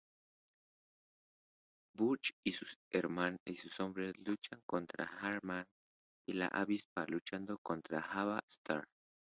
Burch y sus hombres luchan contra Ant-Man y la Avispa luchando contra Ava Starr.